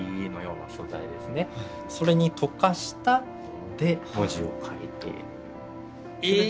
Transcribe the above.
それに溶かしたもので文字を書いている。